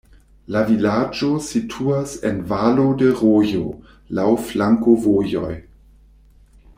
La vilaĝo situas en valo de rojo, laŭ flankovojoj.